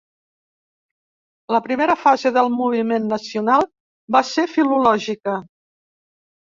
La primera fase del moviment nacional va ser filològica.